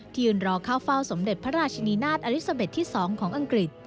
ยืนรอเข้าเฝ้าสมเด็จพระราชนีนาฏอลิซาเบ็ดที่๒ของอังกฤษ